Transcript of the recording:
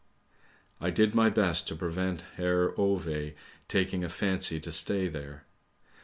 I did my best to prevent Herr Ove taking a fancy to stay there.